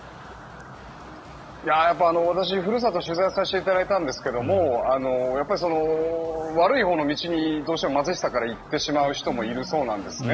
私、ふるさとを取材させていただいたんですが悪いほうの道にどうしても貧しさから行ってしまう方もいるみたいなんですね。